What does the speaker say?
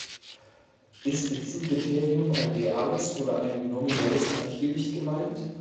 Ist mit diesem Kriterium ein reales oder ein nominelles Gleichgewicht gemeint?